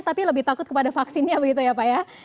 tapi lebih takut kepada vaksinnya begitu ya pak ya